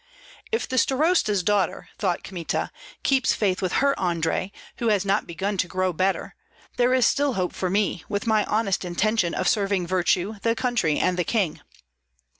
"If the starosta's daughter," thought Kmita, "keeps faith with her Andrei, who has not begun to grow better, there is still hope for me, with my honest intention of serving virtue, the country, and the king."